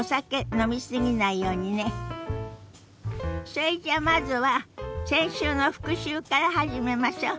それじゃあまずは先週の復習から始めましょ。